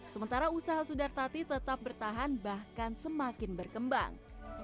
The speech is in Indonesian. sementara usaha sudartati tetap bertahan bahkan semakin berkembang